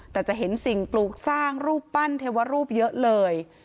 แต่จะเห็นสิ่งปลูกสร้างรูปปั้นเทวรูปเยอะเลย